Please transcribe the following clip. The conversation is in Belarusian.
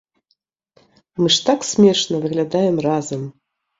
Мы ж так смешна выглядаем разам!